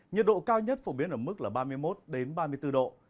nhiệt độ cao nhất phổ biến ở mức là ba mươi một ba mươi bốn độ